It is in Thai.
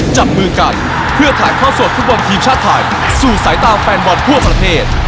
จับมือกันเพื่อถ่ายทอดสดฟุตบอลทีมชาติไทยสู่สายตาแฟนบอลทั่วประเทศ